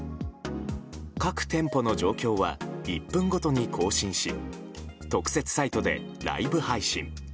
各店舗の状況は１分ごとに更新し特設サイトでライブ配信。